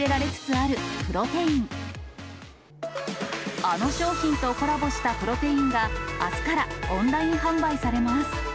あの商品とコラボしたプロテインが、あすからオンライン販売されます。